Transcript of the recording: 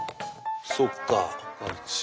そっか。